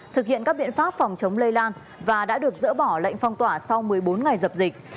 thực hiện các biện pháp phòng chống lây lan và đã được dỡ bỏ lệnh phong tỏa sau một mươi bốn ngày dập dịch